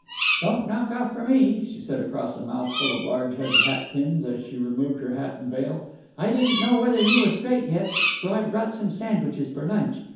"Don't knock off for me," she said across a mouthful of large headed hatpins as she removed her hat and veil. "I didn't know whether you were straight yet, so I've brought some sandwiches for lunch.